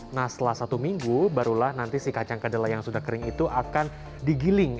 nah setelah satu minggu barulah nanti si kacang kedelai yang sudah kering itu akan digiling